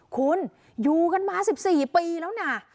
คุณอยู่กันมา๑๔ปีแล้วนะ